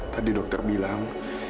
tadi dokter bilang